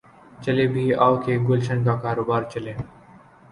چلے بھی آؤ کہ گلشن کا کاروبار چلے